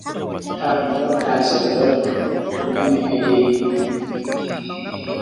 ถ้าคุณต้องการส่วนลด คุณต้องมีไอดี